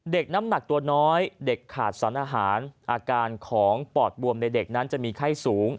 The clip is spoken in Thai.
น้ำหนักตัวน้อยเด็กขาดสารอาหารอาการของปอดบวมในเด็กนั้นจะมีไข้สูง